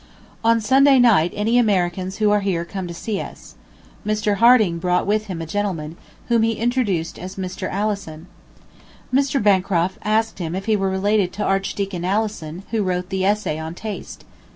On Sunday night any Americans who are here come to see us. ... Mr. Harding brought with him a gentleman, whom he introduced as Mr. Alison. Mr. Bancroft asked him if he were related to Archdeacon Alison, who wrote the "Essay on Taste."